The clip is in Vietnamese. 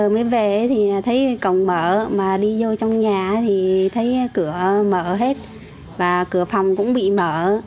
mới về thì thấy cổng mở mà đi vô trong nhà thì thấy cửa mở hết và cửa phòng cũng bị mở